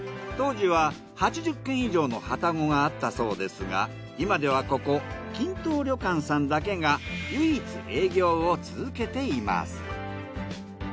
当時は８０軒以上の旅籠があったそうですが今ではここきん藤旅館さんだけが唯一営業を続けています。